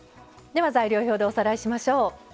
材料表でおさらいしましょう。